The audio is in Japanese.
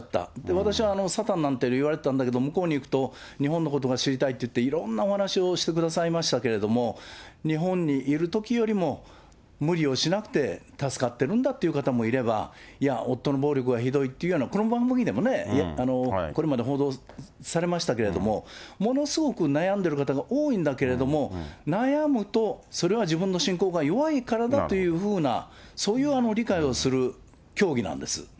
私はサタンなんていわれてたんだけど、向こうに行くと日本のことが知りたいっていって、いろんなお話をしてくださいましたけれども、日本にいるときよりも無理をしなくて助かってるんだという方もいれば、いや、夫の暴力がひどいっていうような、この番組でもね、これまで報道されましたけれども、ものすごく悩んでる方が多いんだけれども、悩むと、それは自分の信仰が弱いからだというふうなそういう理解をする教義なんです。